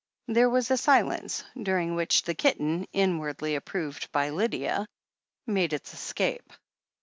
There was a silence, during which the kitten, in wardly approved by Lydia, made its escape.